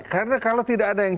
karena kalau tidak ada yang